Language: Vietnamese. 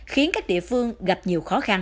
khiến các địa phương gặp nhiều khó khăn